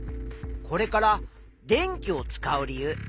これから電気を使う理由